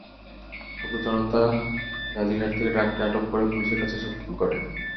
ক্ষুব্ধ জনতা গাজীরহাট থেকে ট্রাকটি আটক করে পুলিশের কাছে সোপর্দ করেন।